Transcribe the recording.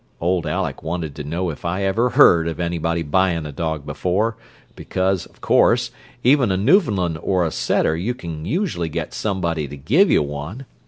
Old Aleck wanted to know if I ever heard of anybody buyin' a dog before, because, of course, even a Newfoundland or a setter you can usually get somebody to give you one.